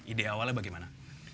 ide awalnya bagaimana